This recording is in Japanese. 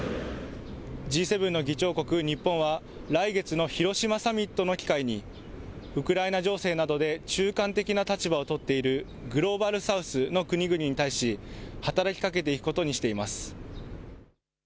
Ｇ７の議長国、日本は来月の広島サミットの機会にウクライナ情勢などで中間的な立場を取っているグローバル・サウスの国々に対し働きかけていくことにしています。